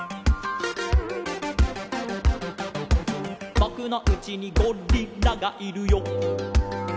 「ぼくのうちにゴリラがいるよ」